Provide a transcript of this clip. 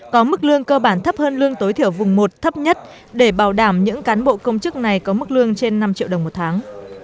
có mức lương cơ bản thấp hơn lương tối thiểu vùng một thấp nhất để bảo đảm những cán bộ công chức này có mức lương trên năm triệu đồng một tháng